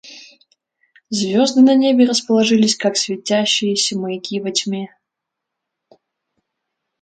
Звезды на небе расположились как светящиеся маяки во тьме.